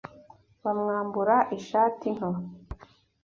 Bamwambura ishati nto